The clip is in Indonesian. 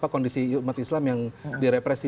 kondisi umat islam yang direpresi